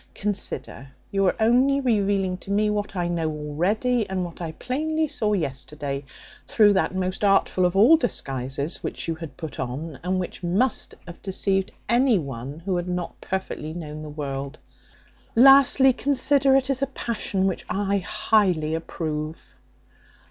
Consider, you are only revealing to me what I know already, and what I plainly saw yesterday, through that most artful of all disguises, which you had put on, and which must have deceived any one who had not perfectly known the world. Lastly, consider it is a passion which I highly approve."